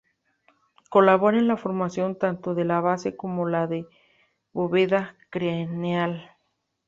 Colabora en la formación tanto de la base como de la bóveda craneal.